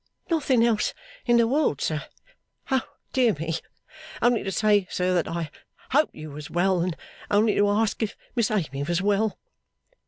'Nothing else in the world, sir. Oh dear me! Only to say, Sir, that I hoped you was well, and only to ask if Miss Amy was Well?